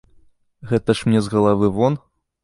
Гэта ж мне з галавы вон.